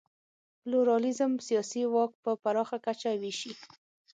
پلورالېزم سیاسي واک په پراخه کچه وېشي.